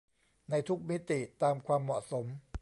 ในทุกมิติตามความเหมาะสม